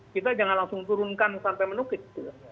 kita jangan langsung turunkan sampai menukik